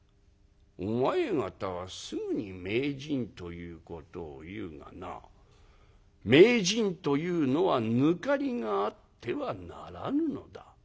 「お前方はすぐに名人ということを言うがな名人というのは抜かりがあってはならぬのだ。